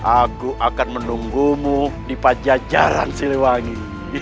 aku akan menunggumu di pajajaran siliwangi